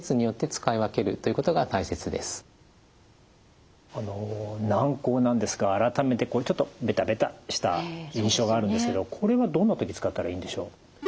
つまり軟こうなんですが改めてちょっとベタベタした印象があるんですけどこれはどんな時使ったらいいんでしょう？